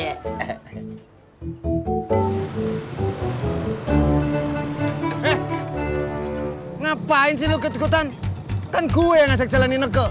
eh ngapain sih lo ketikutan kan gue yang ajak jalan ineke